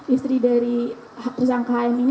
istri dari tersangka hm ini